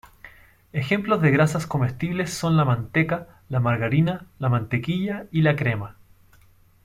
Ejemplos de grasas comestibles son la manteca, la margarina, la mantequilla y la crema.